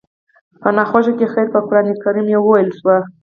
په ناخوښو کې خير په قرآن کريم کې ويل شوي.